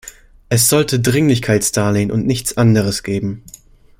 Es sollte Dringlichkeitsdarlehen und nichts anderes geben.